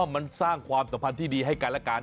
มันสร้างความสัมพันธ์ที่ดีให้กันและกัน